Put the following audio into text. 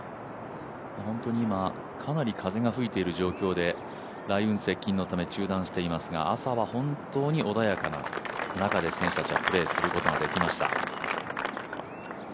本当に今、かなり風が吹いている状況で雷雲接近のため中断していますが朝は本当に穏やかな中で選手たちはプレーすることができました。